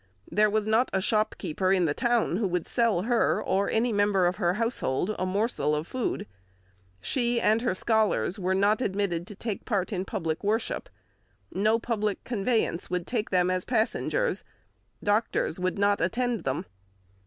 There was not a shopkeeper in the town who would sell her, or any member of her household, a morsel of food; she and her scholars were not admitted to take part in public worship; no public conveyance would take them as passengers; doctors would not attend them.